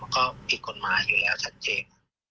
มันก็ผิดความสามารถอยู่แล้วชัดเจน